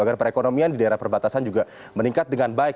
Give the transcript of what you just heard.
agar perekonomian di daerah perbatasan juga meningkat dengan baik